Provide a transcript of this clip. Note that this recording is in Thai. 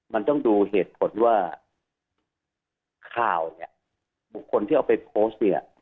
มันต้องดูเหตุผลว่าข่าวเนี่ยบุคคลที่เอาไปโพสต์เนี่ย